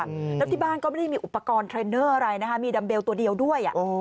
แล้วที่บ้านก็ไม่ได้มีอุปกรณ์เทรนเนอร์อะไรนะคะมีดัมเบลตัวเดียวด้วยอ่ะอ๋อ